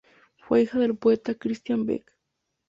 Fue hija del poeta Christian Beck.